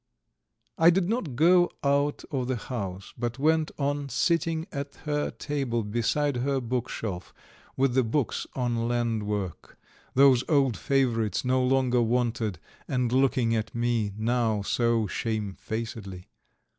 I did not go out of the house, but went on sitting at her table beside her bookshelf with the books on land work, those old favourites no longer wanted and looking at me now so shamefacedly.